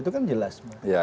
itu kan jelas